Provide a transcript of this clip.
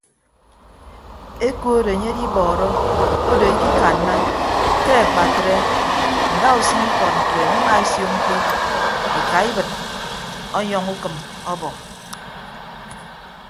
Ekod enye edibọọrọ odo ikikanna ke akpatre ndausʌñ ikọd ntuen emaesio mkpọ ekaibịd ọnyọñ ukịm ọbọ.